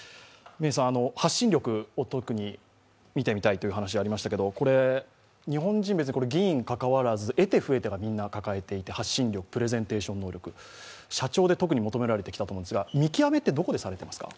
発信力を特に見てみたいという話がありましたけれども、日本人、議員にかかわらず、得手不得手を抱えていて発信力、プレゼンテーション能力、社長で特に求められてきたと思うんですが、見極めはどこでされていますか？